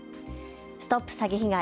ＳＴＯＰ詐欺被害！